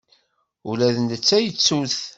Ula d netta yettu-t.